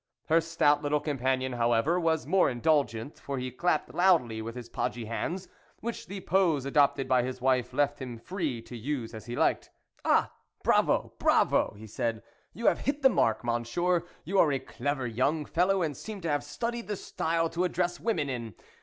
Her stout little companion however, was more indulgent, for he clapped loudly with his podgy hands, which the pose adopted by his wife left him free to use as he liked. " Ah ! bravo, bravo !" he said, " you have hit the mark, Monsieur; you are a clever young fellow, and seem to have studied the style to address women in.